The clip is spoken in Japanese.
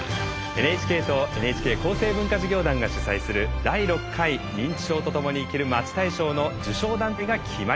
ＮＨＫとＮＨＫ厚生文化事業団が主催する「第６回認知症とともに生きるまち大賞」の受賞団体が決まりました。